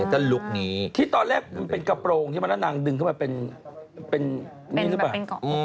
เจอลุคนี้ที่ตอนแรกเป็นกระโปรงที่มันนางดึงเข้าไปเป็นเป็นนี่ใช่ปะ